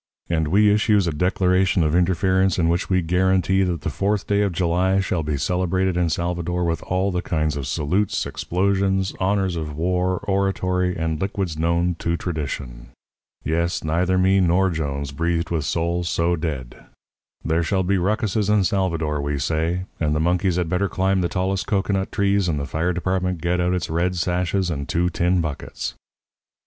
And we issues a declaration of interference in which we guarantee that the fourth day of July shall be celebrated in Salvador with all the kinds of salutes, explosions, honours of war, oratory, and liquids known to tradition. Yes, neither me nor Jones breathed with soul so dead. There shall be rucuses in Salvador, we say, and the monkeys had better climb the tallest cocoanut trees and the fire department get out its red sashes and two tin buckets.